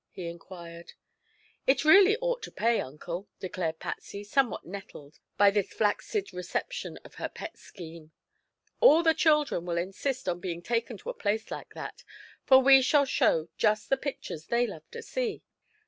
he inquired. "It really ought to pay, Uncle," declared Patsy, somewhat nettled by this flaccid reception of her pet scheme. "All the children will insist on being taken to a place like that, for we shall show just the pictures they love to see.